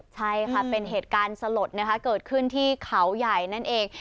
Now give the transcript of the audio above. ใช่ค่ะเป็นเหตุการณ์สลดนะคะเกิดขึ้นที่เขาใหญ่นั่นเอง